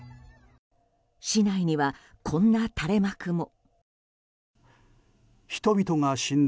市内には、こんな垂れ幕も。